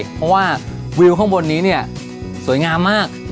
เพราะว่าวิวข้างบนนี้เนี่ยสวยงามมาก